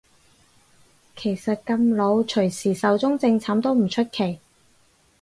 其實咁老隨時壽終正寢都唔出奇